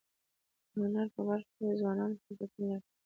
د هنر په برخه کي ځوانان فرصتونه لري.